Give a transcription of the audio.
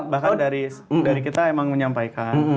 bahkan dari kita emang menyampaikan